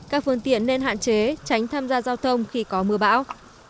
các phương tiện nên hạn chế tránh tham gia giao thông khi có mưa bão